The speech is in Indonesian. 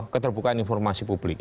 keterbukaan informasi publik itu